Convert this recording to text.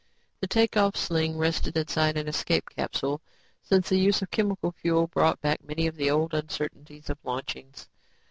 The take off sling rested inside an escape capsule since the use of chemical fuel brought back many of the old uncertainties of launchings.